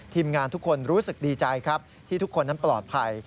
ทีมงานทุกคนรู้สึกดีใจครับที่ทุกคนนั้นปลอดภัย